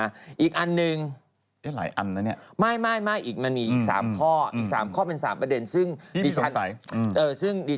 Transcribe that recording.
หลายอันแล้วนี่